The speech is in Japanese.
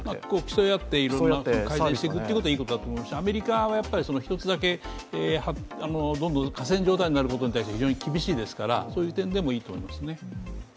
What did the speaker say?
競い合っていろいろ改善することはいいことだと思いますしアメリカはやっぱり１つだけどんどん寡占状態になることに対して非常に厳しいですから、そういう点でもいいと思いますね。